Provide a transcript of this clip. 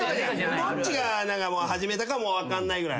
どっちが始めたかも分かんないぐらい。